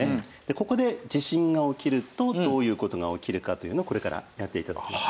ここで地震が起きるとどういう事が起きるかというのをこれからやって頂きます。